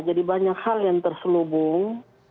jadi banyak hal yang terselubung